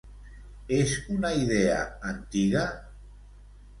És una idea antiga?